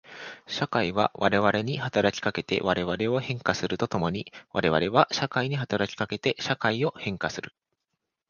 社会は我々に働きかけて我々を変化すると共に我々は社会に働きかけて社会を変化する。